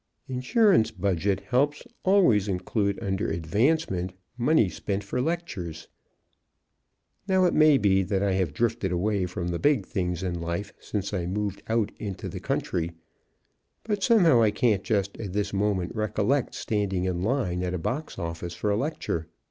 Insurance budget helps always include under "Advancement" money spent for lectures. Now, it may be that I have drifted away from the big things in life since I moved out into the country, but somehow I can't just at this moment recollect standing in line at a box office for a lecture.